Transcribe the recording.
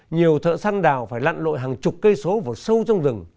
nhiều thợ săn đào phải lặn lội hàng chục cây số vào sâu trong rừng